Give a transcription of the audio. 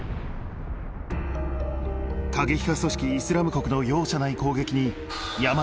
過激派組織「イスラム国」の容赦ない攻撃に。